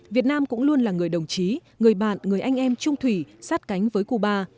việt nam cũng luôn là người đồng chí người bạn người anh em trung thủy sát cánh với cuba